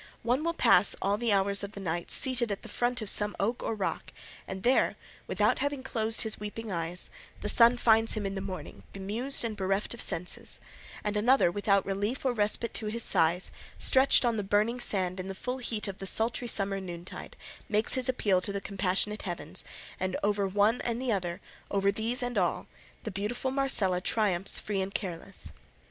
One will pass all the hours of the night seated at the foot of some oak or rock, and there, without having closed his weeping eyes, the sun finds him in the morning bemused and bereft of sense; and another without relief or respite to his sighs, stretched on the burning sand in the full heat of the sultry summer noontide, makes his appeal to the compassionate heavens, and over one and the other, over these and all, the beautiful Marcela triumphs free and careless.